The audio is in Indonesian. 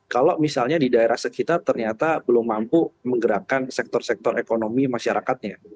kalau misalnya di daerah sekitar ternyata belum mampu menggerakkan sektor sektor ekonomi masyarakatnya